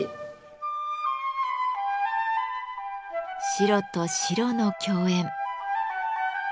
白と白の競演。